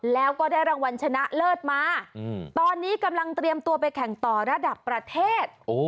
แล้วก็ได้รางวัลชนะเลิศมาตอนนี้กำลังเตรียมตัวไปแข่งต่อระดับประเทศ